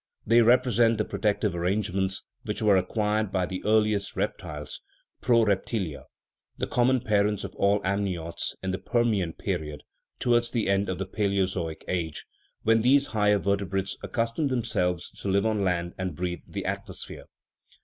They represent the protective arrangements which were acquired by the earliest reptiles (prorep tilia), the common parents of all the amniotes, in the Permian period (towards the end of the palaeozoic age), when these higher vertebrates accustomed themselves to live on land and breathe the atmosphere.